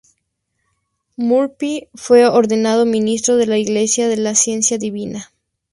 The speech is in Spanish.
Murphy fue ordenado Ministro de la Iglesia de la Ciencia Divina.